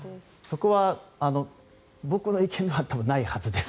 そこは僕の意見は多分、ないはずです。